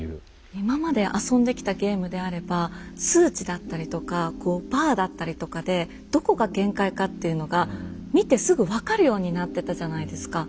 今まで遊んできたゲームであれば数値だったりとかこうバーだったりとかでどこが限界かっていうのが見てすぐ分かるようになってたじゃないですか。